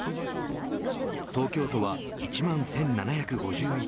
東京都は１万１７５１人。